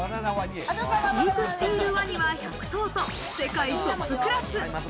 飼育しているワニは１００頭と世界トップクラス。